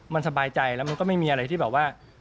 มันสบายใจแล้วมันก็ไม่มีอะไรที่แบบว่า